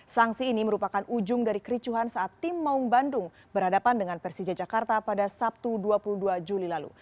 sanksi ini merupakan ujung dari kericuhan saat tim maung bandung berhadapan dengan persija jakarta pada sabtu dua puluh dua juli lalu